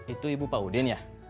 itu ibu pak udin ya